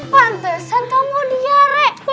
pantesan kamu diare